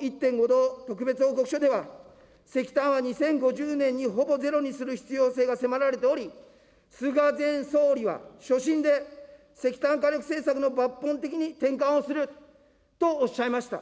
℃特別報告書では、石炭は２０５０年にほぼゼロにする必要性が迫られており、菅前総理は、所信で石炭火力政策の抜本的に転換をするとおっしゃいました。